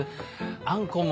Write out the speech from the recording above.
あんこも。